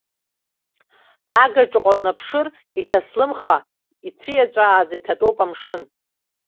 Агаҿаҟа унаԥшыр, иҭаслымха, ицәиаҵәааӡа иҭатәоуп амшын.